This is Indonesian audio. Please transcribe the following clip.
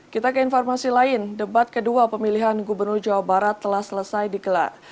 kita ke informasi lain debat kedua pemilihan gubernur jawa barat telah selesai dikelar